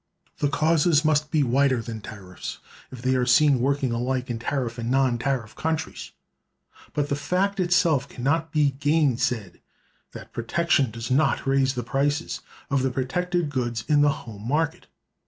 The causes must be wider than tariffs, if they are seen working alike in tariff and non tariff countries. But the fact itself can not be gainsaid that protection does raise the prices of the protected goods in the home market.